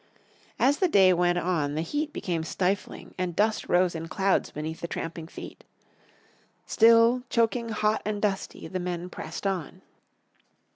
As the day went on the heat became stifling, and dust rose in clouds beneath the tramping feet. Still, choking, hot and dusty the men pressed on.